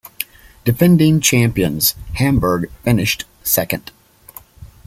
Defending champions, Hamburg finished second.